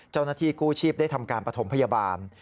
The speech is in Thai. เจ้าหน้าที่กู้ชีพได้ทำการปฐมพยาบาล